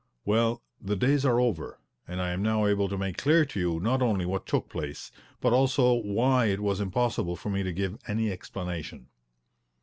Well, the days are over, and I am now able to make clear to you not only what took place, but also why it was impossible for me to give any explanation.